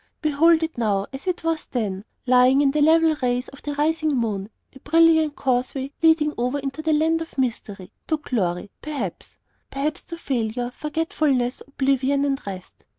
Behold it now, as it was then, lying in the level rays of the rising moon, a brilliant causeway leading over into a land of mystery, to glory, perhaps; perhaps to failure, forgetfulness, oblivion and rest.